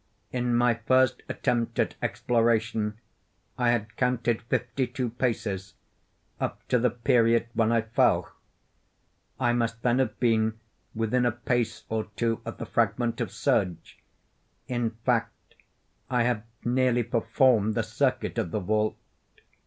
In my first attempt at exploration I had counted fifty two paces, up to the period when I fell; I must then have been within a pace or two of the fragment of serge; in fact, I had nearly performed the circuit of the vault.